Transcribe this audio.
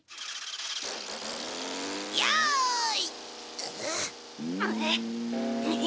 よい。